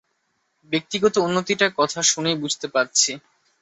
ব্যক্তিগত উন্নতিটা কথা শুনেই বুঝতে পারছি।